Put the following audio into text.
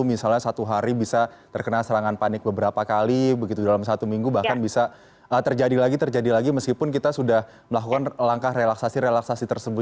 misalnya satu hari bisa terkena serangan panik beberapa kali begitu dalam satu minggu bahkan bisa terjadi lagi terjadi lagi meskipun kita sudah melakukan langkah relaksasi relaksasi tersebut